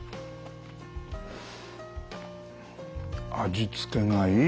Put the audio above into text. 味付けがいい。